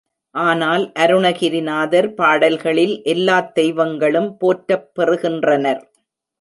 ஆனால் அருணகிரிநாதர் பாடல்களில் எல்லாத் தெய்வங்களும் போற்றப் பெறுகின்றனர்.